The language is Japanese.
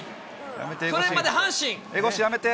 去年まで阪神。